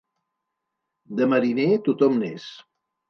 De mariner tothom n'és.